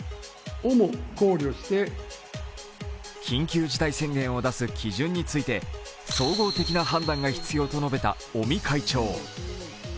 緊急事態宣言を出す基準について、総合的な判断が必要と述べた尾身会長。